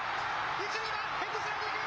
一塁はヘッドスライディング。